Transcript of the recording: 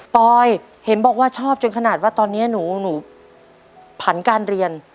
ปอยเห็นบอกว่าชอบจนขนาดว่าตอนนี้หนูผันการเรียน